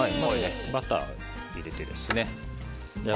バターを入れてね。